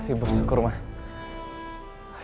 ibu syukur mah